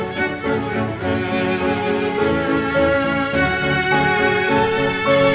kiki gak ngerti permasalahannya apa